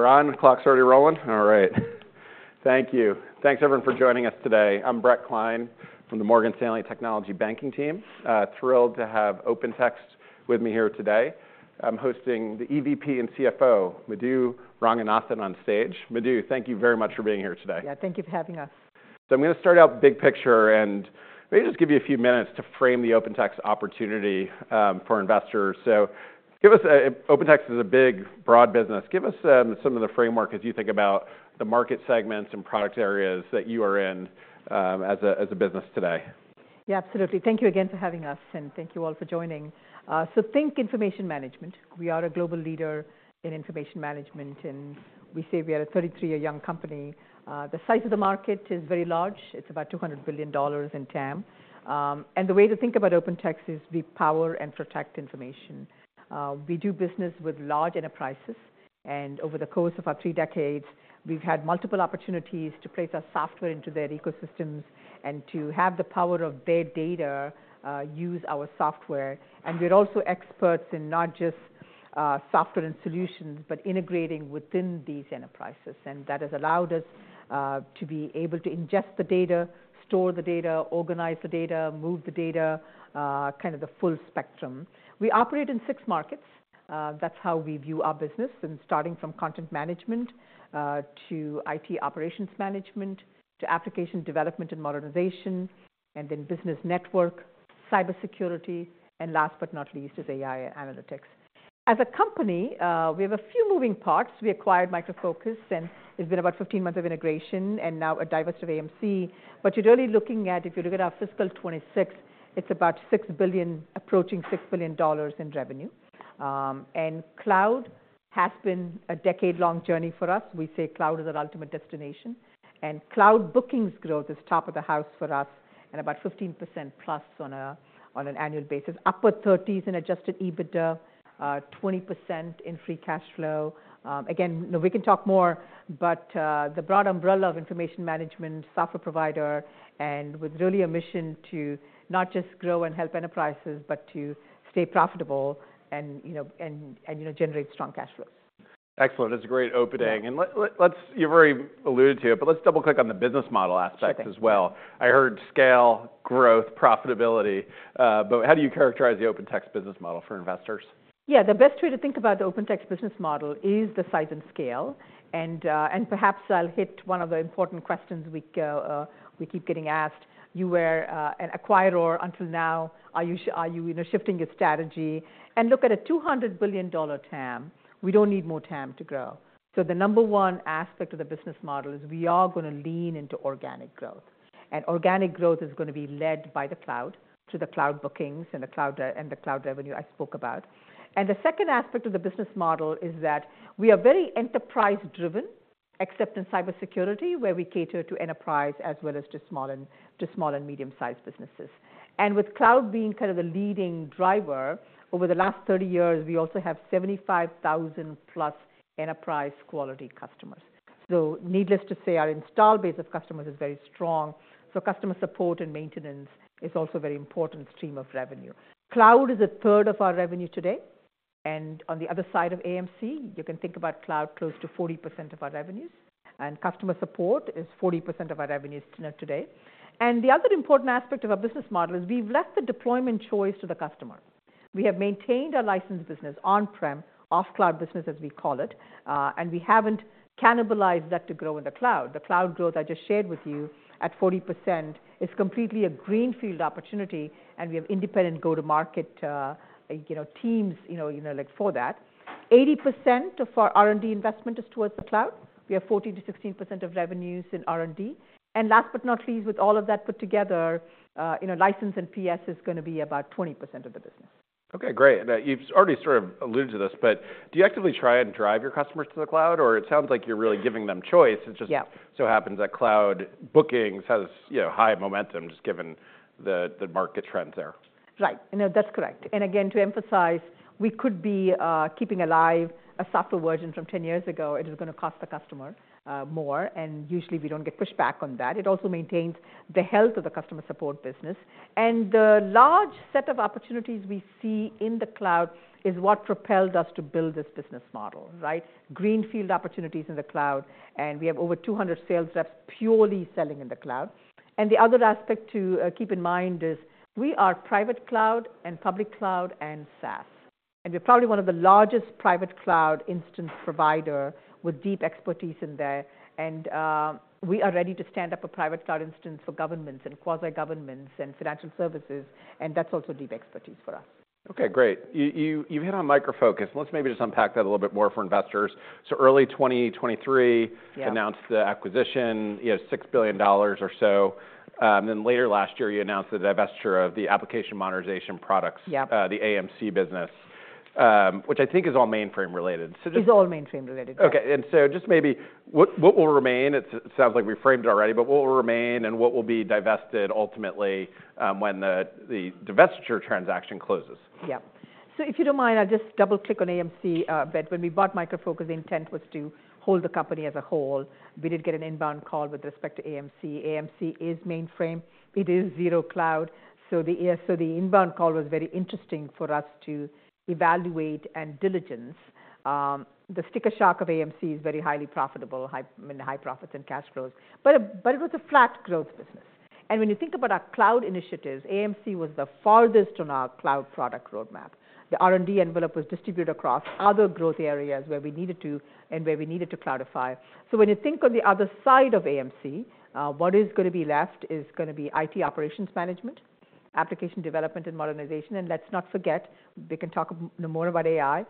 We're on. Clock's already rolling. All right. Thank you. Thanks, everyone, for joining us today. I'm Brett Klein from the Morgan Stanley Technology Banking team. Thrilled to have OpenText with me here today. I'm hosting the EVP and CFO, Madhu Ranganathan, on stage. Madhu, thank you very much for being here today. Yeah. Thank you for having us. So I'm going to start out big picture and maybe just give you a few minutes to frame the OpenText opportunity for investors. So give us OpenText is a big, broad business. Give us some of the framework as you think about the market segments and product areas that you are in as a business today. Yeah. Absolutely. Thank you again for having us, and thank you all for joining. So think information management. We are a global leader in information management, and we say we are a 33-year-old young company. The size of the market is very large. It's about $200 billion in TAM. The way to think about OpenText is we power and protect information. We do business with large enterprises. Over the course of our three decades, we've had multiple opportunities to place our software into their ecosystems and to have the power of their data use our software. We're also experts in not just software and solutions but integrating within these enterprises. That has allowed us to be able to ingest the data, store the data, organize the data, move the data, kind of the full spectrum. We operate in six markets. That's how we view our business, starting from content management to IT operations management to application development and modernization, and then business network, cybersecurity, and last but not least is AI analytics. As a company, we have a few moving parts. We acquired Micro Focus, and it's been about 15 months of integration and now a divestiture of AMC. But you're really looking at if you look at our fiscal 2026, it's about $6 billion approaching $6 billion in revenue. Cloud has been a decade-long journey for us. We say cloud is our ultimate destination. Cloud bookings growth is top of the house for us and about 15%+ on an annual basis. Upper 30s% in adjusted EBITDA, 20% in free cash flow. Again, we can talk more. But the broad umbrella of information management, software provider, and with really a mission to not just grow and help enterprises but to stay profitable and generate strong cash flows. Excellent. That's a great opening. You've already alluded to it, but let's double-click on the business model aspect as well. I heard scale, growth, profitability. But how do you characterize the OpenText business model for investors? Yeah. The best way to think about the OpenText business model is the size and scale. Perhaps I'll hit one of the important questions we keep getting asked. You were an acquirer until now. Are you shifting your strategy? Look at a $200 billion TAM. We don't need more TAM to grow. The number one aspect of the business model is we are going to lean into organic growth. And organic growth is going to be led by the cloud through the cloud bookings and the cloud revenue I spoke about. The second aspect of the business model is that we are very enterprise-driven, except in cybersecurity, where we cater to enterprise as well as to small and medium-sized businesses. With cloud being kind of the leading driver, over the last 30 years, we also have 75,000+ enterprise-quality customers. So needless to say, our installed base of customers is very strong. So customer support and maintenance is also a very important stream of revenue. Cloud is a third of our revenue today. And on the other side of AMC, you can think about cloud close to 40% of our revenues. And customer support is 40% of our revenues today. And the other important aspect of our business model is we've left the deployment choice to the customer. We have maintained our licensed business, on-prem or cloud business as we call it. And we haven't cannibalized that to grow in the cloud. The cloud growth I just shared with you at 40% is completely a greenfield opportunity. And we have independent go-to-market teams for that. 80% of our R&D investment is towards the cloud. We have 14%-16% of revenues in R&D. Last but not least, with all of that put together, license and PS is going to be about 20% of the business. OK. Great. You've already sort of alluded to this. But do you actively try and drive your customers to the cloud? Or it sounds like you're really giving them choice. It just so happens that cloud bookings has high momentum just given the market trends there. Right. That's correct. Again, to emphasize, we could be keeping alive a software version from 10 years ago. It is going to cost the customer more. Usually, we don't get pushback on that. It also maintains the health of the customer support business. The large set of opportunities we see in the cloud is what propelled us to build this business model, right? Greenfield opportunities in the cloud. We have over 200 sales reps purely selling in the cloud. The other aspect to keep in mind is we are private cloud and public cloud and SaaS. We're probably one of the largest private cloud instance providers with deep expertise in there. We are ready to stand up a private cloud instance for governments and quasi-governments and financial services. That's also deep expertise for us. OK. Great. You've hit on Micro Focus. Let's maybe just unpack that a little bit more for investors. So early 2023, announced the acquisition, $6 billion or so. Then later last year, you announced the divestiture of the application modernization products, the AMC business, which I think is all mainframe-related. Is all mainframe-related. OK. And so just maybe what will remain it sounds like we framed it already. But what will be divested ultimately when the divestiture transaction closes? Yeah. So if you don't mind, I'll just double-click on AMC. But when we bought Micro Focus, the intent was to hold the company as a whole. We did get an inbound call with respect to AMC. AMC is mainframe. It is zero-cloud. So the inbound call was very interesting for us to evaluate and diligence. The sticker shock of AMC is very highly profitable, high profits and cash flows. But it was a flat growth business. And when you think about our cloud initiatives, AMC was the farthest on our cloud product roadmap. The R&D envelope was distributed across other growth areas where we needed to and where we needed to cloudify. So when you think on the other side of AMC, what is going to be left is going to be IT operations management, application development and modernization. And let's not forget, we can talk no more about AI.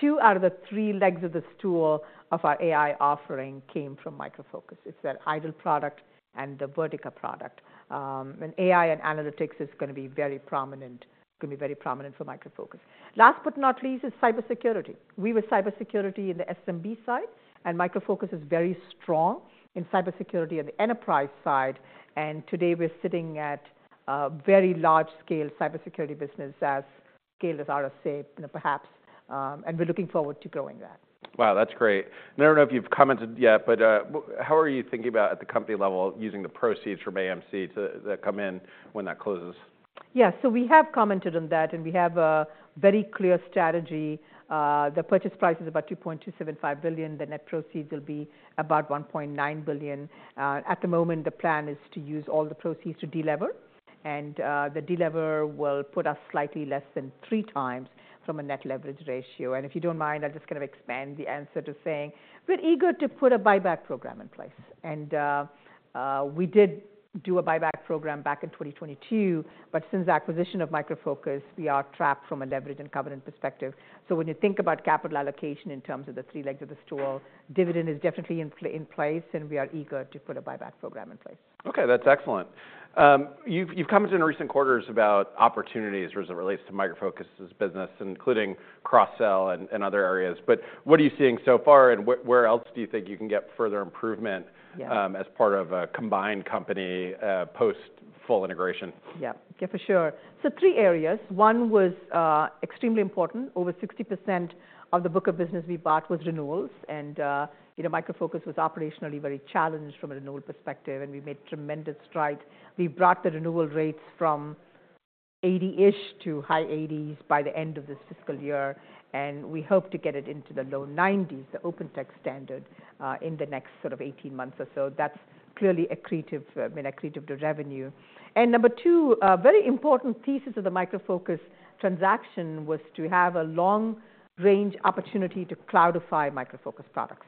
Two out of the three legs of the stool of our AI offering came from Micro Focus. It's that IDOL product and the Vertica product. AI and analytics is going to be very prominent, going to be very prominent for Micro Focus. Last but not least is cybersecurity. We were cybersecurity in the SMB side. Micro Focus is very strong in cybersecurity on the enterprise side. Today, we're sitting at a very large-scale cybersecurity business as scaled as RSA, perhaps. We're looking forward to growing that. Wow. That's great. I don't know if you've commented yet. But how are you thinking about, at the company level, using the proceeds from AMC that come in when that closes? Yeah. So we have commented on that. And we have a very clear strategy. The purchase price is about $2.275 billion. The net proceeds will be about $1.9 billion. At the moment, the plan is to use all the proceeds to delever. And the delever will put us slightly less than three times from a net leverage ratio. And if you don't mind, I'll just kind of expand the answer to saying we're eager to put a buyback program in place. And we did do a buyback program back in 2022. But since the acquisition of Micro Focus, we are trapped from a leverage and covenant perspective. So when you think about capital allocation in terms of the three legs of the stool, dividend is definitely in place. And we are eager to put a buyback program in place. OK. That's excellent. You've commented in recent quarters about opportunities as it relates to Micro Focus's business, including cross-sell and other areas. But what are you seeing so far? And where else do you think you can get further improvement as part of a combined company post-full integration? Yeah. Yeah, for sure. So three areas. One was extremely important. Over 60% of the book of business we bought was renewals. And Micro Focus was operationally very challenged from a renewal perspective. And we made tremendous strides. We brought the renewal rates from 80-ish to high 80s by the end of this fiscal year. And we hope to get it into the low 90s, the OpenText standard, in the next sort of 18 months or so. That's clearly accretive to revenue. And number two, a very important thesis of the Micro Focus transaction was to have a long-range opportunity to cloudify Micro Focus products.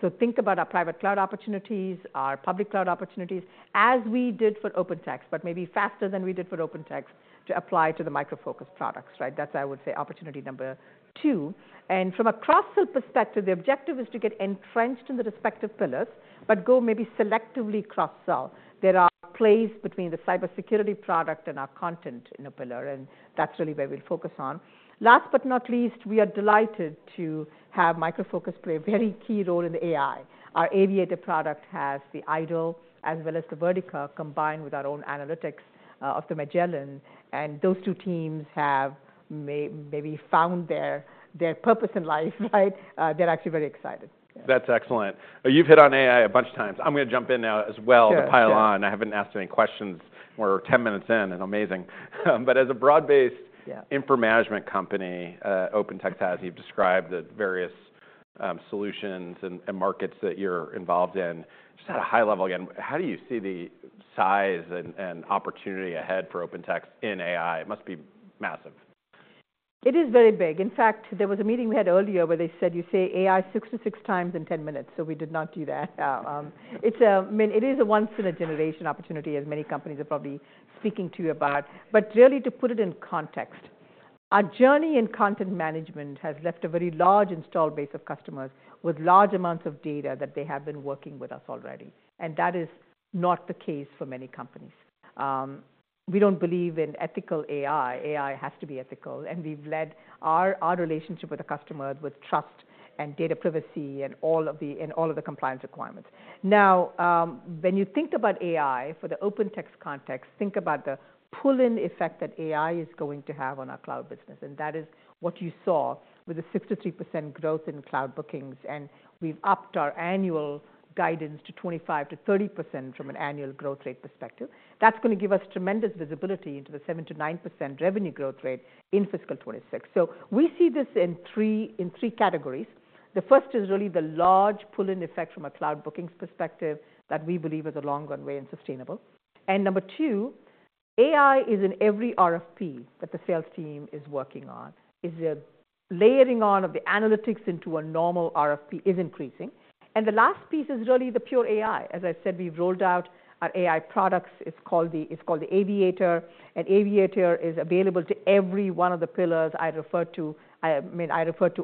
So think about our private cloud opportunities, our public cloud opportunities, as we did for OpenText, but maybe faster than we did for OpenText to apply to the Micro Focus products, right? That's, I would say, opportunity number two. From a cross-sell perspective, the objective is to get entrenched in the respective pillars but go maybe selectively cross-sell. There are plays between the cybersecurity product and our content in a pillar. And that's really where we'll focus on. Last but not least, we are delighted to have Micro Focus play a very key role in the AI. Our Aviator product has the IDOL as well as the Vertica combined with our own analytics of the Magellan. And those two teams have maybe found their purpose in life, right? They're actually very excited. That's excellent. You've hit on AI a bunch of times. I'm going to jump in now as well to pile on. I haven't asked any questions. We're 10 minutes in. Amazing. But as a broad-based infra management company, OpenText has, you've described the various solutions and markets that you're involved in. Just at a high level again, how do you see the size and opportunity ahead for OpenText in AI? It must be massive. It is very big. In fact, there was a meeting we had earlier where they said, you say AI 6 to 6 times in 10 minutes. So we did not do that. It is a once-in-a-generation opportunity, as many companies are probably speaking to you about. But really, to put it in context, our journey in content management has left a very large install base of customers with large amounts of data that they have been working with us already. And that is not the case for many companies. We don't believe in ethical AI. AI has to be ethical. And we've led our relationship with the customer with trust and data privacy and all of the compliance requirements. Now, when you think about AI for the OpenText context, think about the pull-in effect that AI is going to have on our cloud business. That is what you saw with the 63% growth in cloud bookings. We've upped our annual guidance to 25%-30% from an annual growth rate perspective. That's going to give us tremendous visibility into the 7%-9% revenue growth rate in fiscal 2026. We see this in 3 categories. The first is really the large pull-in effect from a cloud bookings perspective that we believe is a long-run way and sustainable. Number 2, AI is in every RFP that the sales team is working on. Layering on of the analytics into a normal RFP is increasing. The last piece is really the pure AI. As I said, we've rolled out our AI products. It's called the Aviator. Aviator is available to every one of the pillars I referred to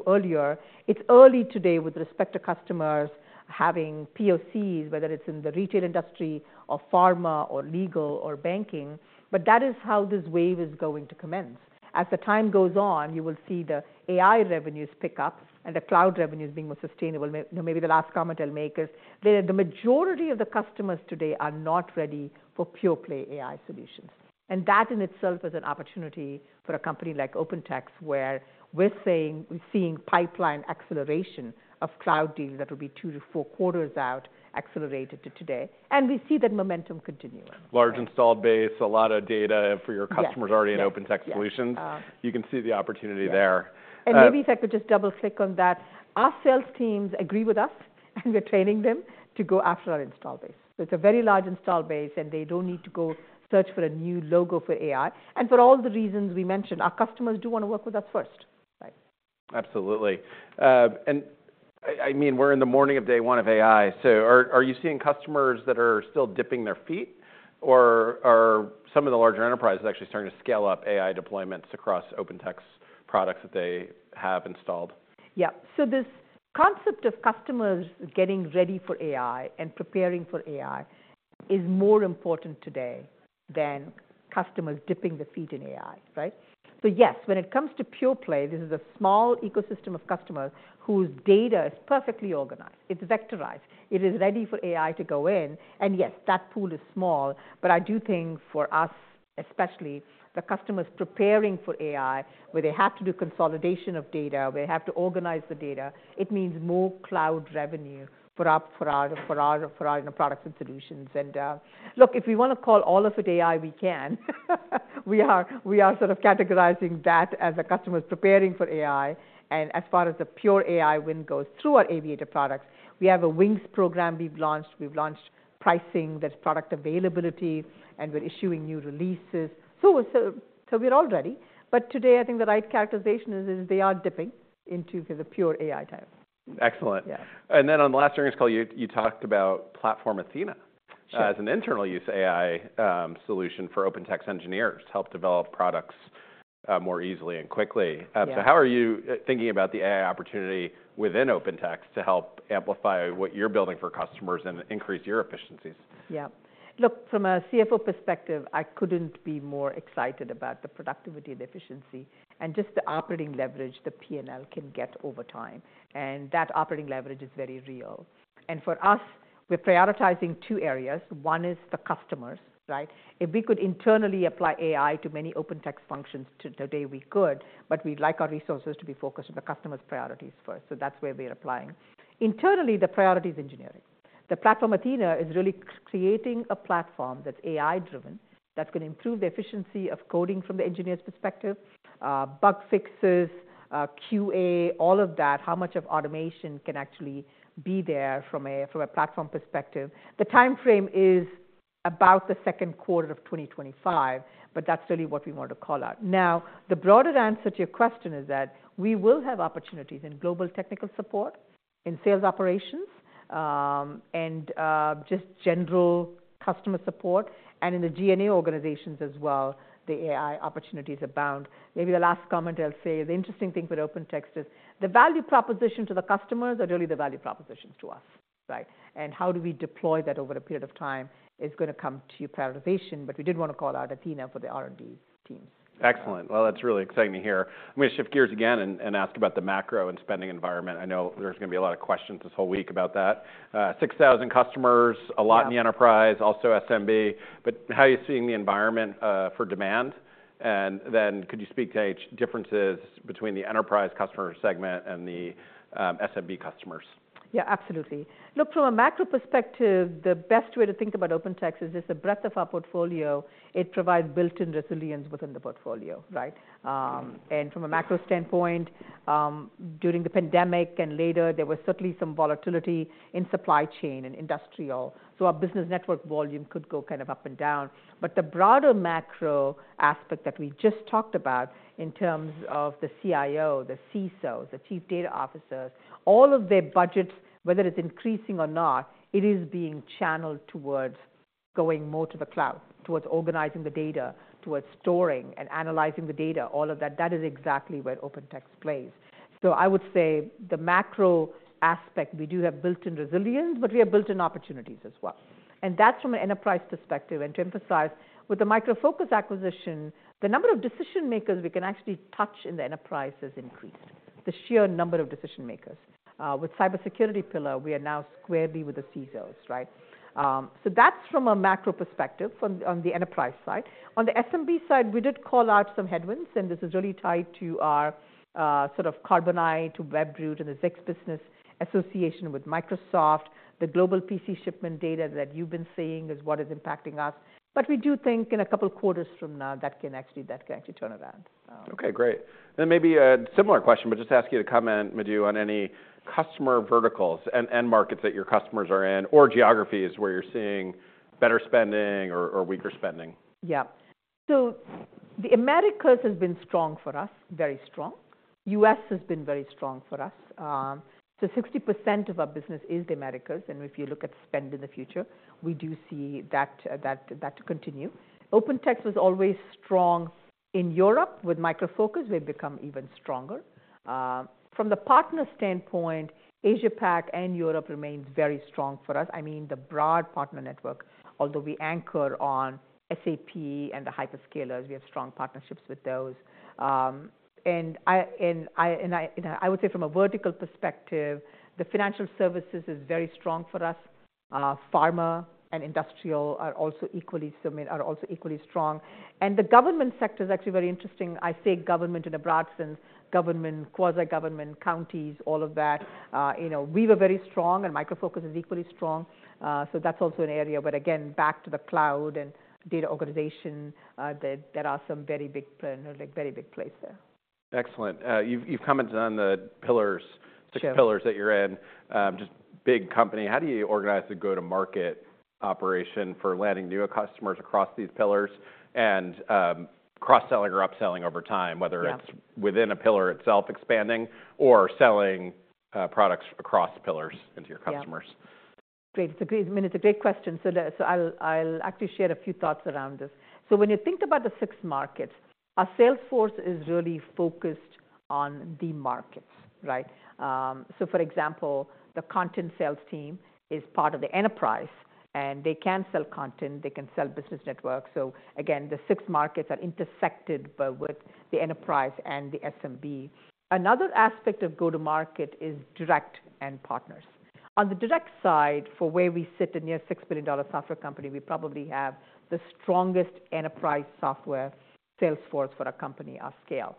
earlier. It's early today with respect to customers having POCs, whether it's in the retail industry or pharma or legal or banking. But that is how this wave is going to commence. As the time goes on, you will see the AI revenues pick up and the cloud revenues being more sustainable. Maybe the last comment I'll make is the majority of the customers today are not ready for pure-play AI solutions. And that in itself is an opportunity for a company like OpenText, where we're seeing pipeline acceleration of cloud deals that would be two to four quarters out accelerated to today. And we see that momentum continuing. Large install base, a lot of data for your customers already in OpenText solutions. You can see the opportunity there. Maybe if I could just double-click on that, our sales teams agree with us. We're training them to go after our installed base. It's a very large installed base. They don't need to go search for a new logo for AI. For all the reasons we mentioned, our customers do want to work with us first, right? Absolutely. And I mean, we're in the morning of day one of AI. So are you seeing customers that are still dipping their feet? Or are some of the larger enterprises actually starting to scale up AI deployments across OpenText products that they have installed? Yeah. So this concept of customers getting ready for AI and preparing for AI is more important today than customers dipping their feet in AI, right? So yes, when it comes to pure play, this is a small ecosystem of customers whose data is perfectly organized. It's vectorized. It is ready for AI to go in. And yes, that pool is small. But I do think for us, especially, the customers preparing for AI, where they have to do consolidation of data, where they have to organize the data, it means more cloud revenue for our products and solutions. And look, if we want to call all of it AI, we can. We are sort of categorizing that as a customer is preparing for AI. And as far as the pure AI wind goes, through our Aviator products, we have a WINGS program we've launched. We've launched pricing, that's product availability. We're issuing new releases. We're all ready. Today, I think the right characterization is they are dipping into the pure AI time. Excellent. And then on the last earnings call, you talked about Platform Athena as an internal use AI solution for OpenText engineers to help develop products more easily and quickly. So how are you thinking about the AI opportunity within OpenText to help amplify what you're building for customers and increase your efficiencies? Yeah. Look, from a CFO perspective, I couldn't be more excited about the productivity and efficiency and just the operating leverage the P&L can get over time. That operating leverage is very real. For us, we're prioritizing two areas. One is the customers, right? If we could internally apply AI to many OpenText functions today, we could. But we'd like our resources to be focused on the customer's priorities first. So that's where we're applying. Internally, the priority is engineering. The Platform Athena is really creating a platform that's AI-driven that's going to improve the efficiency of coding from the engineer's perspective, bug fixes, QA, all of that, how much of automation can actually be there from a platform perspective. The time frame is about the second quarter of 2025. But that's really what we want to call out. Now, the broader answer to your question is that we will have opportunities in global technical support, in sales operations, and just general customer support. And in the G&A organizations as well, the AI opportunities abound. Maybe the last comment I'll say, the interesting thing with OpenText is the value proposition to the customers are really the value propositions to us, right? And how do we deploy that over a period of time is going to come to prioritization. But we did want to call out Athena for the R&D teams. Excellent. Well, that's really exciting to hear. I'm going to shift gears again and ask about the macro and spending environment. I know there's going to be a lot of questions this whole week about that. 6,000 customers, a lot in the enterprise, also SMB. But how are you seeing the environment for demand? And then could you speak to differences between the enterprise customer segment and the SMB customers? Yeah, absolutely. Look, from a macro perspective, the best way to think about OpenText is just the breadth of our portfolio. It provides built-in resilience within the portfolio, right? And from a macro standpoint, during the pandemic and later, there was certainly some volatility in supply chain and industrial. So our business network volume could go kind of up and down. But the broader macro aspect that we just talked about in terms of the CIO, the CISOs, the chief data officers, all of their budgets, whether it's increasing or not, it is being channeled towards going more to the cloud, towards organizing the data, towards storing and analyzing the data, all of that. That is exactly where OpenText plays. So I would say the macro aspect, we do have built-in resilience. But we have built-in opportunities as well. And that's from an enterprise perspective. To emphasize, with the Micro Focus acquisition, the number of decision makers we can actually touch in the enterprise has increased, the sheer number of decision makers. With the cybersecurity pillar, we are now squarely with the CISOs, right? So that's from a macro perspective on the enterprise side. On the SMB side, we did call out some headwinds. This is really tied to our sort of Carbonite, to Webroot, and the Zix business association with Microsoft. The global PC shipment data that you've been seeing is what is impacting us. But we do think in a couple quarters from now, that can actually turn around. OK, great. And then maybe a similar question, but just ask you to comment, Madhu, on any customer verticals and markets that your customers are in or geographies where you're seeing better spending or weaker spending? Yeah. So the Americas has been strong for us, very strong. The U.S. has been very strong for us. So 60% of our business is the Americas. And if you look at spend in the future, we do see that continue. OpenText was always strong in Europe with Micro Focus. We've become even stronger. From the partner standpoint, Asia-Pac and Europe remains very strong for us. I mean, the broad partner network, although we anchor on SAP and the hyperscalers, we have strong partnerships with those. And I would say from a vertical perspective, the financial services is very strong for us. Pharma and industrial are also equally strong. And the government sector is actually very interesting. I say government in a broad sense, government, quasi-government, counties, all of that. We were very strong. And Micro Focus is equally strong. So that's also an area. But again, back to the cloud and data organization, there are some very big players, very big plays there. Excellent. You've commented on the pillars, 6 pillars that you're in. Just big company, how do you organize the go-to-market operation for landing new customers across these pillars and cross-selling or upselling over time, whether it's within a pillar itself expanding or selling products across pillars into your customers? Great. I mean, it's a great question. So I'll actually share a few thoughts around this. So when you think about the six markets, our sales force is really focused on the markets, right? So for example, the content sales team is part of the enterprise. And they can sell content. They can sell business network. So again, the six markets are intersected with the enterprise and the SMB. Another aspect of go-to-market is direct and partners. On the direct side, for where we sit in a $6 billion software company, we probably have the strongest enterprise software sales force for our company, our scale.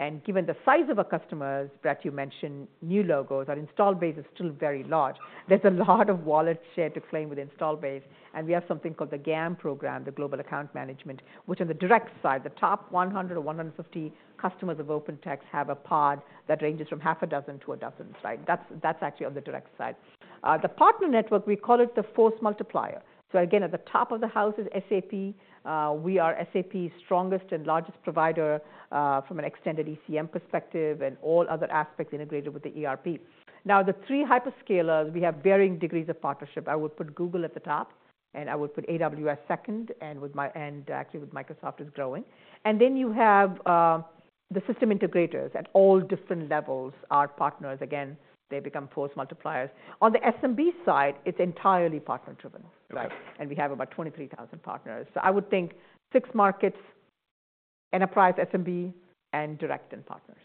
And given the size of our customers, Brett, you mentioned new logos. Our installed base is still very large. There's a lot of wallet share to claim with installed base. We have something called the GAM program, the Global Account Management, which on the direct side, the top 100 or 150 customers of OpenText have a pod that ranges from half a dozen to a dozen, right? That's actually on the direct side. The partner network, we call it the force multiplier. Again, at the top of the house is SAP. We are SAP's strongest and largest provider from an Extended ECM perspective and all other aspects integrated with the ERP. Now, the three hyperscalers, we have varying degrees of partnership. I would put Google at the top. And I would put AWS second. And actually, with Microsoft, it's growing. And then you have the system integrators at all different levels, our partners. Again, they become force multipliers. On the SMB side, it's entirely partner-driven, right? And we have about 23,000 partners. So, I would think six markets: enterprise, SMB, and direct and partners.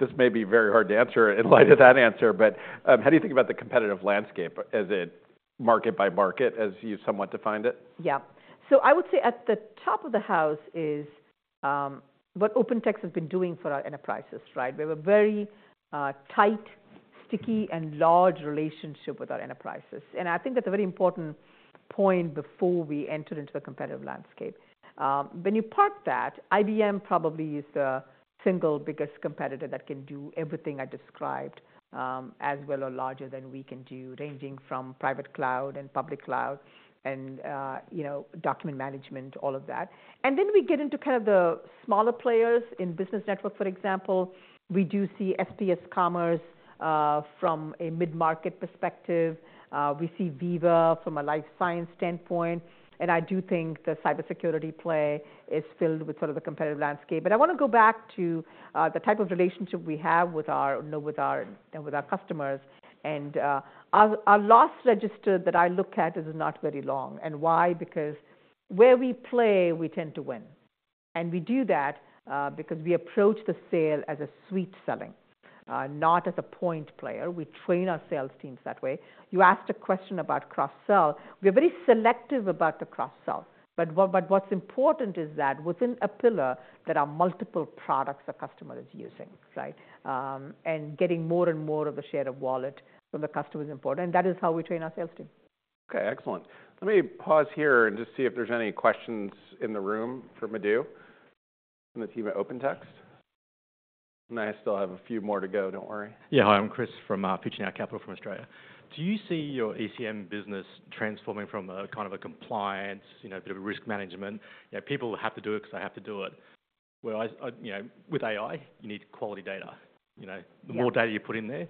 This may be very hard to answer in light of that answer. But how do you think about the competitive landscape as it market by market, as you somewhat defined it? Yeah. So I would say at the top of the house is what OpenText has been doing for our enterprises, right? We have a very tight, sticky, and large relationship with our enterprises. And I think that's a very important point before we entered into the competitive landscape. When you park that, IBM probably is the single biggest competitor that can do everything I described as well or larger than we can do, ranging from private cloud and public cloud and document management, all of that. And then we get into kind of the smaller players in business network, for example. We do see SPS Commerce from a mid-market perspective. We see Veeva from a life science standpoint. And I do think the cybersecurity play is filled with sort of the competitive landscape. But I want to go back to the type of relationship we have with our customers. Our loss register that I look at is not very long. Why? Because where we play, we tend to win. We do that because we approach the sale as a suite selling, not as a point player. We train our sales teams that way. You asked a question about cross-sell. We are very selective about the cross-sell. But what's important is that within a pillar, there are multiple products a customer is using, right? Getting more and more of the share of wallet from the customer is important. That is how we train our sales team. OK, excellent. Let me pause here and just see if there's any questions in the room for Madhu from the team at OpenText. And I still have a few more to go. Don't worry. Yeah. Hi, I'm Chris from FutureNow Capital from Australia. Do you see your ECM business transforming from kind of a compliance, a bit of risk management, people have to do it because I have to do it, where with AI, you need quality data? The more data you put in there,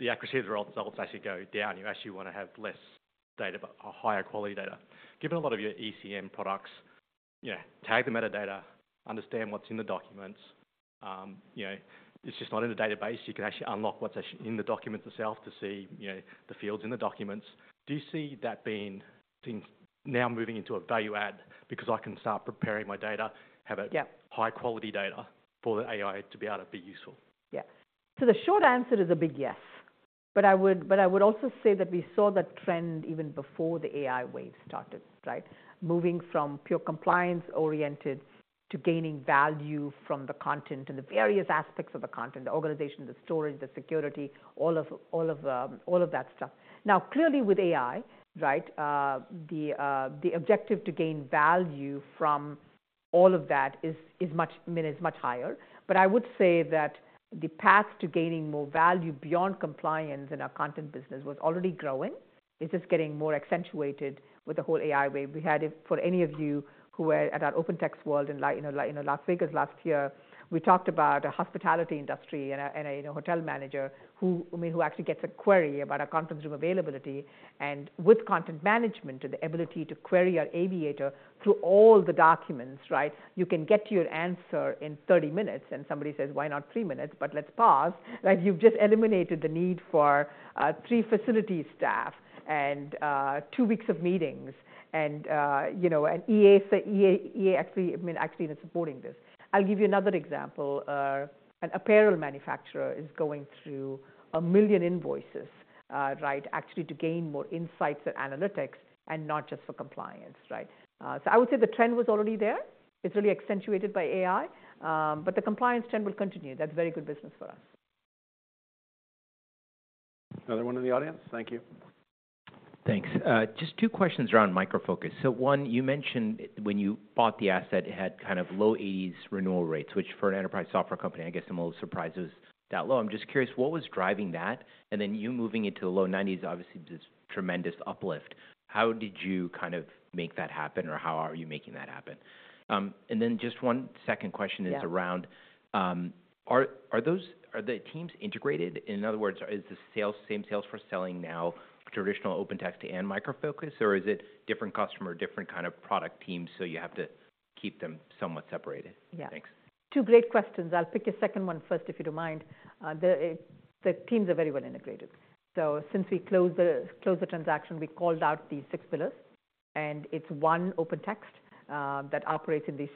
the accuracy of the results actually go down. You actually want to have less data, but higher quality data. Given a lot of your ECM products, tag the metadata, understand what's in the documents. It's just not in the database. You can actually unlock what's in the documents itself to see the fields in the documents. Do you see that being now moving into a value add because I can start preparing my data, have high-quality data for the AI to be able to be useful? Yeah. So the short answer is a big yes. But I would also say that we saw that trend even before the AI wave started, right, moving from pure compliance-oriented to gaining value from the content and the various aspects of the content, the organization, the storage, the security, all of that stuff. Now, clearly, with AI, right, the objective to gain value from all of that is much higher. But I would say that the path to gaining more value beyond compliance in our content business was already growing. It's just getting more accentuated with the whole AI wave. For any of you who were at our OpenText World in Las Vegas last year, we talked about a hospitality industry and a hotel manager who actually gets a query about our conference room availability. And with content management and the ability to query our Aviator through all the documents, right, you can get to your answer in 30 minutes. And somebody says, why not 3 minutes? But let's pause. You've just eliminated the need for 3 facility staff and 2 weeks of meetings. And EA actually is supporting this. I'll give you another example. An apparel manufacturer is going through 1 million invoices, right, actually to gain more insights and analytics and not just for compliance, right? So I would say the trend was already there. It's really accentuated by AI. But the compliance trend will continue. That's very good business for us. Another one in the audience? Thank you. Thanks. Just two questions around Micro Focus. So one, you mentioned when you bought the asset, it had kind of low 80s renewal rates, which for an enterprise software company, I guess I'm a little surprised it was that low. I'm just curious, what was driving that? And then you moving into the low 90s, obviously, this tremendous uplift. How did you kind of make that happen? Or how are you making that happen? And then just one second question is around, are the teams integrated? In other words, is the same sales for selling now traditional OpenText and Micro Focus? Or is it different customer, different kind of product teams? So you have to keep them somewhat separated? Yeah. Thanks. Two great questions. I'll pick a second one first, if you don't mind. The teams are very well integrated. So since we closed the transaction, we called out these six pillars. And it's one OpenText that operates in these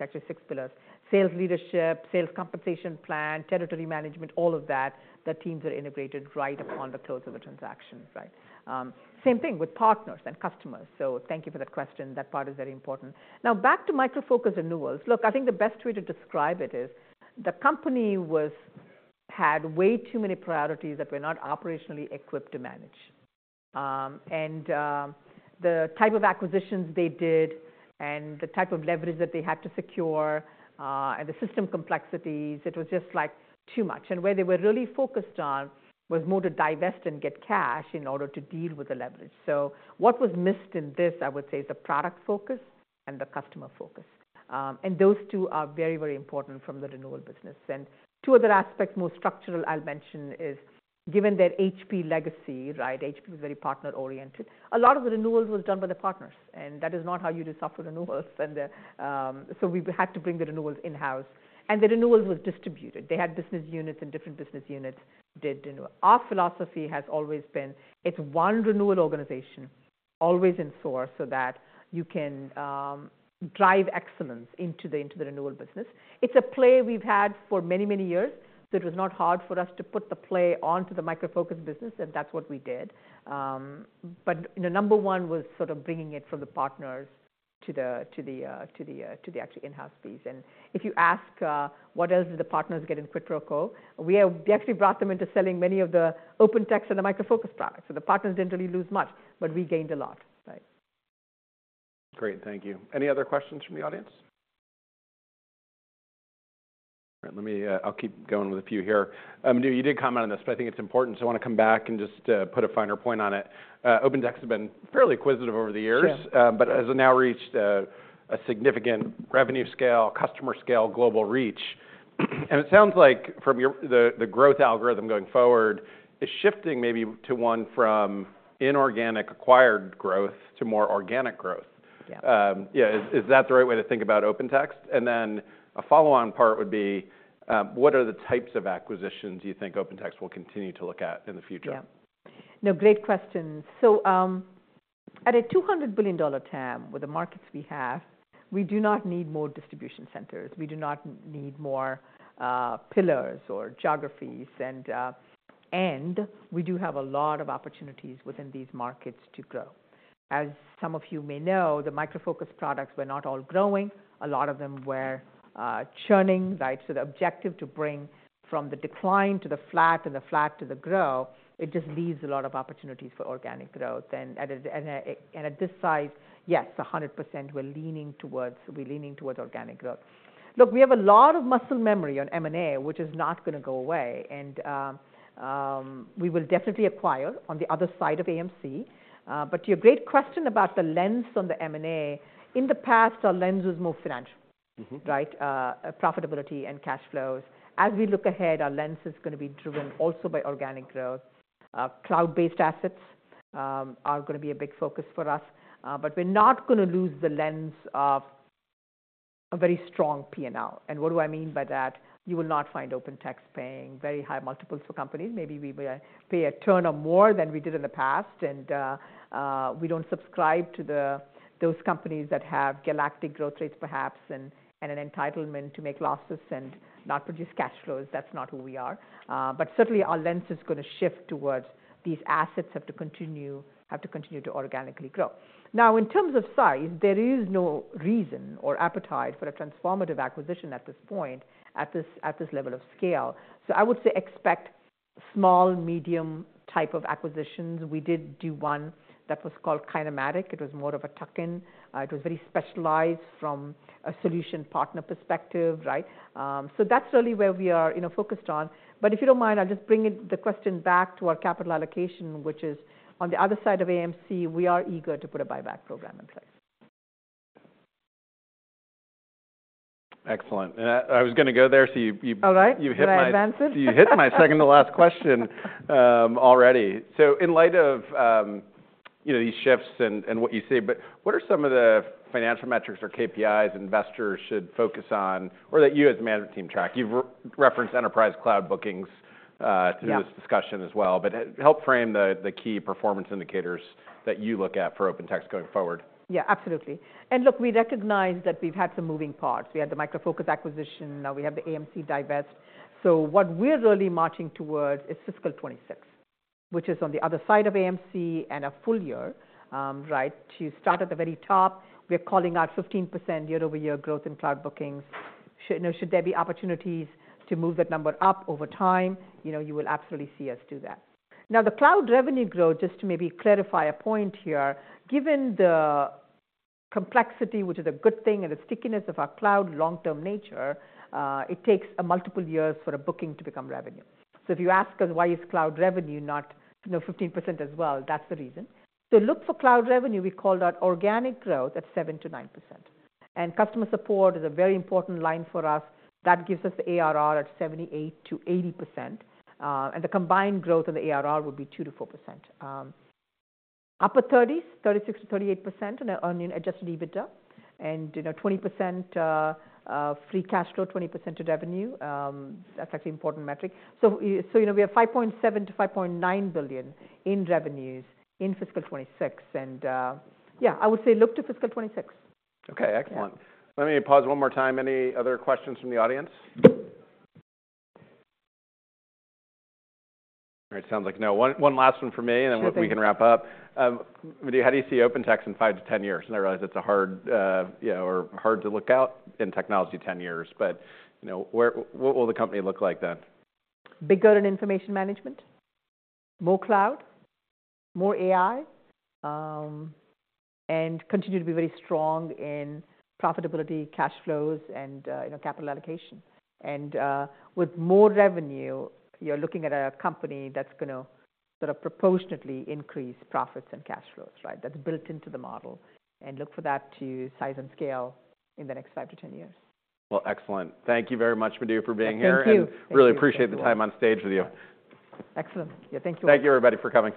actually six pillars: sales leadership, sales compensation plan, territory management, all of that. The teams are integrated right upon the close of the transaction, right? Same thing with partners and customers. So thank you for that question. That part is very important. Now, back to Micro Focus renewals. Look, I think the best way to describe it is the company had way too many priorities that were not operationally equipped to manage. And the type of acquisitions they did and the type of leverage that they had to secure and the system complexities, it was just like too much. Where they were really focused on was more to divest and get cash in order to deal with the leverage. So what was missed in this, I would say, is the product focus and the customer focus. Those two are very, very important from the renewal business. Two other aspects, more structural, I'll mention: given their HP legacy, right, HP was very partner-oriented. A lot of the renewals was done by the partners. That is not how you do software renewals. So we had to bring the renewals in-house. The renewals were distributed. They had business units. Different business units did renew. Our philosophy has always been, it's one renewal organization, always in source, so that you can drive excellence into the renewal business. It's a play we've had for many, many years. It was not hard for us to put the play onto the Micro Focus business. That's what we did. Number one was sort of bringing it from the partners to the actually in-house piece. If you ask what else did the partners get in Quid Pro Quo, we actually brought them into selling many of the OpenText and the Micro Focus products. The partners didn't really lose much. We gained a lot, right? Great. Thank you. Any other questions from the audience? All right. I'll keep going with a few here. Madhu, you did comment on this. I think it's important. I want to come back and just put a finer point on it. OpenText has been fairly acquisitive over the years. But has now reached a significant revenue scale, customer scale, global reach. It sounds like from the growth algorithm going forward, it's shifting maybe to one from inorganic acquired growth to more organic growth. Yeah, is that the right way to think about OpenText? Then a follow-on part would be, what are the types of acquisitions you think OpenText will continue to look at in the future? Yeah. No, great question. So at a $200 billion TAM with the markets we have, we do not need more distribution centers. We do not need more pillars or geographies. And we do have a lot of opportunities within these markets to grow. As some of you may know, the Micro Focus products were not all growing. A lot of them were churning, right? So the objective to bring from the decline to the flat and the flat to the grow, it just leaves a lot of opportunities for organic growth. And at this size, yes, 100% we're leaning towards organic growth. Look, we have a lot of muscle memory on M&A, which is not going to go away. And we will definitely acquire on the other side of AMC. But to your great question about the lens on the M&A, in the past, our lens was more financial, right, profitability and cash flows. As we look ahead, our lens is going to be driven also by organic growth. Cloud-based assets are going to be a big focus for us. But we're not going to lose the lens of a very strong P&L. And what do I mean by that? You will not find OpenText paying very high multiples for companies. Maybe we pay a turn or more than we did in the past. And we don't subscribe to those companies that have galactic growth rates, perhaps, and an entitlement to make losses and not produce cash flows. That's not who we are. But certainly, our lens is going to shift towards these assets have to continue to organically grow. Now, in terms of size, there is no reason or appetite for a transformative acquisition at this point at this level of scale. So I would say expect small, medium type of acquisitions. We did do one that was called KineMatik. It was more of a tuck-in. It was very specialized from a solution partner perspective, right? So that's really where we are focused on. But if you don't mind, I'll just bring the question back to our capital allocation, which is on the other side of AMC. We are eager to put a buyback program in place. Excellent. I was going to go there. You hit my second to last question already. In light of these shifts and what you see, but what are some of the financial metrics or KPIs investors should focus on or that you, as the management team, track? You've referenced enterprise cloud bookings through this discussion as well. Help frame the key performance indicators that you look at for OpenText going forward. Yeah, absolutely. And look, we recognize that we've had some moving parts. We had the Micro Focus acquisition. Now, we have the AMC divest. So what we're really marching towards is fiscal 2026, which is on the other side of AMC and a full year, right? To start at the very top, we are calling out 15% year-over-year growth in cloud bookings. Should there be opportunities to move that number up over time, you will absolutely see us do that. Now, the cloud revenue growth, just to maybe clarify a point here, given the complexity, which is a good thing, and the stickiness of our cloud long-term nature, it takes multiple years for a booking to become revenue. So if you ask us, why is cloud revenue not 15% as well, that's the reason. So look for cloud revenue. We called out organic growth at 7%-9%. Customer support is a very important line for us. That gives us the ARR at 78%-80%. The combined growth on the ARR would be 2%-4%. Upper 30s, 36%-38% on an adjusted EBITDA and 20% free cash flow, 20% to revenue. That's actually an important metric. We have $5.7 billion-$5.9 billion in revenues in fiscal 2026. Yeah, I would say look to fiscal 2026. OK, excellent. Let me pause one more time. Any other questions from the audience? All right. Sounds like no. One last one for me. And then we can wrap up. Madhu, how do you see OpenText in 5-10 years? And I realize it's hard or hard to look out in technology 10 years. But what will the company look like then? Bigger in information management, more cloud, more AI, and continue to be very strong in profitability, cash flows, and capital allocation. With more revenue, you're looking at a company that's going to sort of proportionately increase profits and cash flows, right, that's built into the model. Look for that to size and scale in the next 5-10 years. Well, excellent. Thank you very much, Madhu, for being here. Thank you. Really appreciate the time on stage with you. Excellent. Yeah, thank you all. Thank you, everybody, for coming.